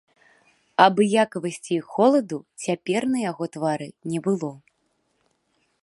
Абыякавасці і холаду цяпер на яго твары не было.